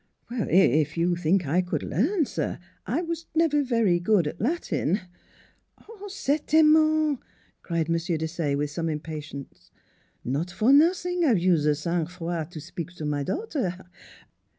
" If you think I could learn, sir. I was never any good at Latin "" Certainement! " cried M. Desaye, with some impatience. " Not for nossing have you ze sang froid to spik to my daughter.